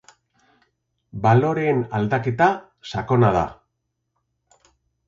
Baloreen aldaketa sakona da.